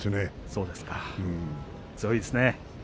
強いですね。